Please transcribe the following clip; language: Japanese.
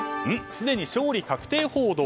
すでに勝利確定報道。